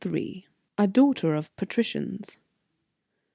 A DAUGHTER OF PATRICIANS.